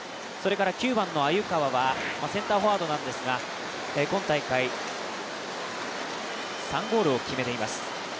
９番の鮎川はセンターフォワードなんですが、今大会、３ゴールを決めています。